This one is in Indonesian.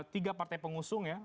tiga partai pengusung ya